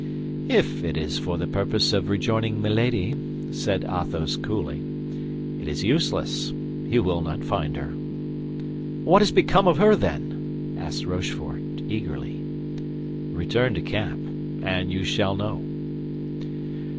"If it is for the purpose of rejoining Milady," said Athos, coolly, "it is useless; you will not find her." "What has become of her, then?" asked Rochefort, eagerly. "Return to camp and you shall know."